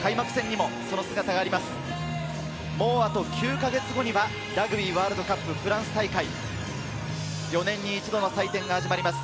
もうあと９か月後には、ラグビーワールドカップフランス大会、４年に一度の祭典が始まります。